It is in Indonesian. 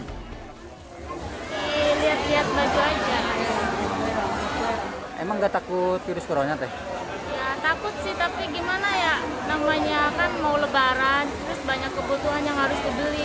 ya takut sih tapi gimana ya namanya kan mau lebaran terus banyak kebutuhan yang harus dibeli